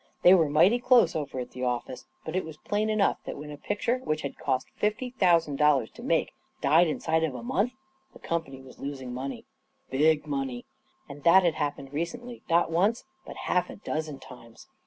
They were mighty close over at the office, but it was plain enough that when a picture which hid cost fifty thousand dollars to make died inside of a month the company was los ing money. Big money. And that had happened recently not once, but half a dozen times.